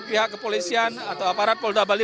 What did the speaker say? pihak kepolisian atau aparat polda bali